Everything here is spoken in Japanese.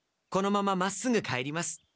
このまままっすぐ帰ります。